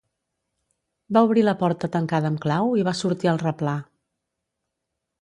Va obrir la porta tancada amb clau i va sortir al replà